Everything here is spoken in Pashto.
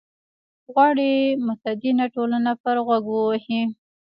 غواړي متدینه ټولنه پر غوږ ووهي.